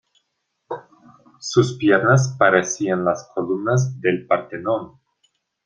Sus piernas parecían las columnas del Partenón.